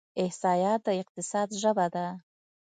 احصایه د اقتصاد ژبه ده.